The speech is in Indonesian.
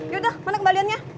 yaudah mana kembaliannya